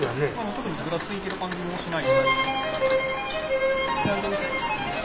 特にふらついてる感じもしない。